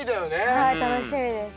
はい楽しみです。